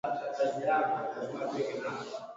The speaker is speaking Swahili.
Niki pate makuta takuziya manguwo